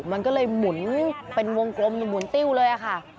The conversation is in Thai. มันก็เลยหมุนเป็นวงกลมหมุนติ้วเลยค่ะ